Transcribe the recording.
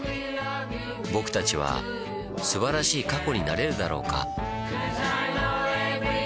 ぼくたちは素晴らしい過去になれるだろうか